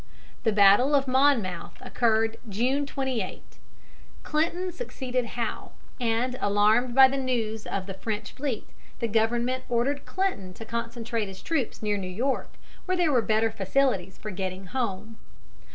The battle of Monmouth occurred June 28. Clinton succeeded Howe, and, alarmed by the news of the French fleet, the government ordered Clinton to concentrate his troops near New York, where there were better facilities for getting home.